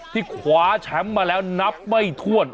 ที่คว้าแชมป์มาแล้วนับไม่ถ้วน